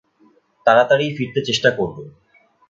তাড়াতাড়িই ফিরতে চেষ্টা করব।